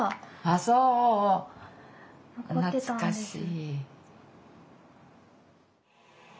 ああそう懐かしい。